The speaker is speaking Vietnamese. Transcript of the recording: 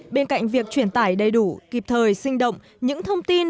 bên cạnh việc truyền tải đầy đủ kịp thời sinh động những thông tin